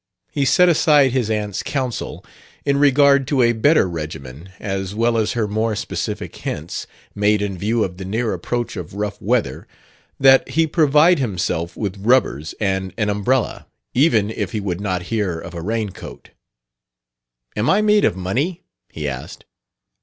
He set aside his aunt's counsel in regard to a better regimen, as well as her more specific hints, made in view of the near approach of rough weather, that he provide himself with rubbers and an umbrella, even if he would not hear of a rain coat. "Am I made of money?" he asked.